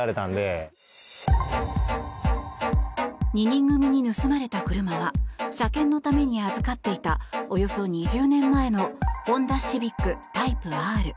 ２人組に盗まれた車は車検のために預かっていたおよそ２０年前のホンダ・シビックタイプＲ。